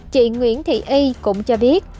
chị nguyễn thị y cũng cho biết